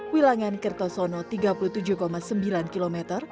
wilangan kertosono tiga puluh tujuh sembilan km